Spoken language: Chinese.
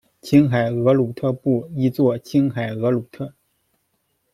青海额鲁特部，亦作青海厄鲁特。